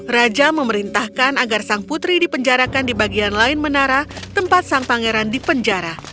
raja memerintahkan agar sang putri dipenjarakan di bagian lain menara tempat sang pangeran dipenjara